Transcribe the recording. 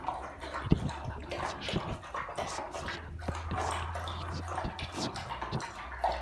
Idealerweise schafft man es, sich an beides gleichzeitig zu halten.